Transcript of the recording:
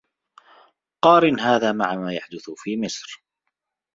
قارِنْ هذا مع ماذا يحدث في مصر.